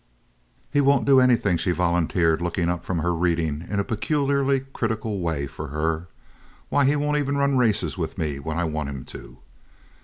"He won't do anything," she volunteered, looking up from her reading in a peculiarly critical way for her. "Why, he won't ever run races with me when I want him to."